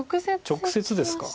直接ですか。